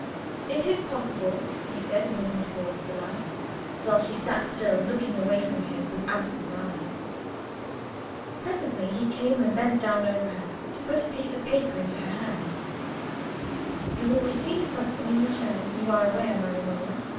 "It is possible," he said, moving towards the lamp, while she sat still, looking away from him with absent eyes. Presently he came and bent down over her, to put a piece of paper into her hand. "You will receive something in return, you are aware, my Romola?"